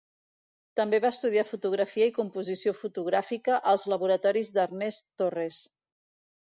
També va estudiar fotografia i composició fotogràfica als laboratoris d'Ernest Torres.